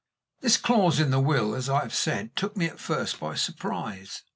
This clause in the will, as I have said, took me at first by surprise.